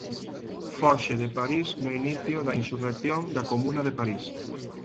Foxe de París no inicio da insurrección da Comuna de París.